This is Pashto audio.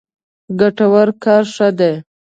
ګټور کار ښه دی.